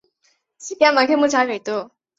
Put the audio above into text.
安陆话是黄孝片方言在安陆的子方言。